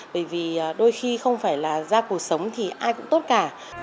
bởi vì đôi khi không phải là ra cuộc sống thì ai cũng tốt cả